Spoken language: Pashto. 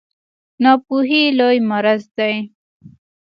ناپوهي لوی مرض دی